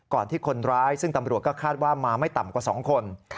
ที่คนร้ายซึ่งตำรวจก็คาดว่ามาไม่ต่ำกว่า๒คน